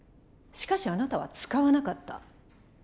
しかしあなたは使わなかった。